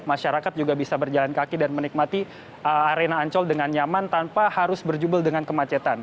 masyarakat juga bisa berjalan kaki dan menikmati arena ancol dengan nyaman tanpa harus berjubel dengan kemacetan